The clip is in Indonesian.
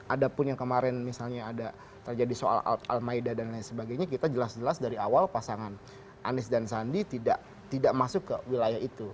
ada pun yang kemarin misalnya ada terjadi soal al maida dan lain sebagainya kita jelas jelas dari awal pasangan anies dan sandi tidak masuk ke wilayah itu